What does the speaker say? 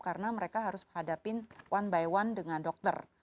karena mereka harus hadapin one by one dengan dokter